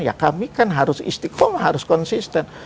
ya kami kan harus istiqom harus konsisten